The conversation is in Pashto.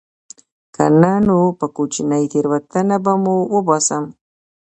که نه نو په کوچنۍ تېروتنې به مو وباسم